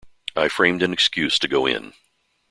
I framed an excuse to go in.